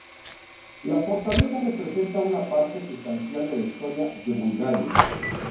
La fortaleza representa una parte sustancial de la historia de Bulgaria.